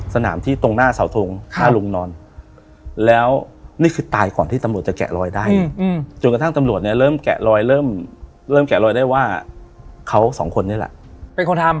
สนามที่ตรงหน้าเสาทงหน้าโรงนอนแล้วนี่คือตายก่อนที่ตำรวจจะแกะรอยได้จนกระทั่งตำรวจเริ่มแกะรอยได้ว่าเขาสองคนนี่แหละ